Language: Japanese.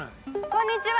こんにちは。